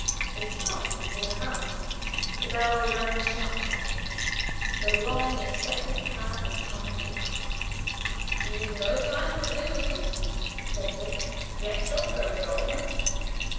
They stopped before the house, the bell rang sharply the long expected cab had come at last. "You've no time to lose," said Dick, "get your coat on."